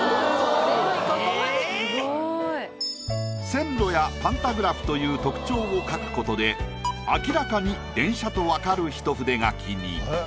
線路やパンタグラフという特徴を描くことで明らかに電車とわかる一筆書きに。